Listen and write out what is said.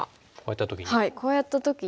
こうやった時に。